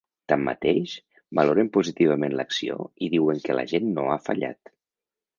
Tanmateix, valoren positivament l’acció i diuen que ‘la gent no ha fallat’.